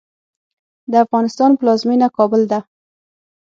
د افغانستان پلازمېنه کابل ده.